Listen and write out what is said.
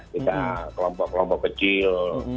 kita kelompok kelompok kecil